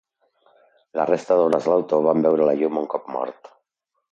La resta d'obres de l'autor van veure la llum un cop mort.